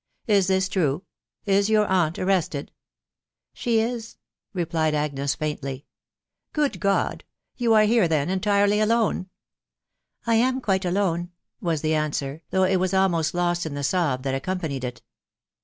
... Is this true? .... Is your aunt arrested ?"" She is/' replied Agnes faintly. fi Good God !.... You are here, then, entirely alone ?"" I am quite alone," was the answer, though it was almost lost in the sob that accompanied it.